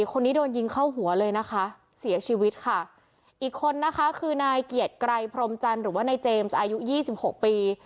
คนนี้โดนยิงเข้าหัวเลยนะคะเสียชีวิตค่ะอีกคนนะคะคือนายเกียรติไกรพรมจันทร์หรือว่านายเจมส์อายุยี่สิบหกปี